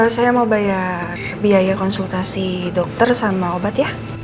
saya mau bayar biaya konsultasi dokter sama obat ya